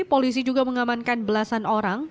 polisi juga mengamankan belasan orang